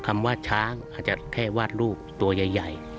คำว่าช้างอาจจะแค่วาดรูปตัวใหญ่